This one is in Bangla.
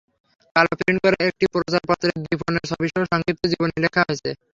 কালো প্রিন্ট করা একটি প্রচারপত্রে দীপনের ছবিসহ সংক্ষিপ্ত জীবনী লেখা হয়েছে।